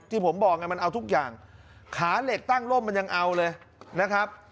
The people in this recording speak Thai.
ที่ผมบอกไงมันเอาทุกอย่างขาเหล็กตั้งร่มมันยังเอาเลยนะครับ